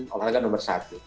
olahraga nomor satu